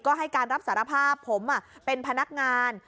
ก็ให้การรับสารภาพผมเป็นพนักงาน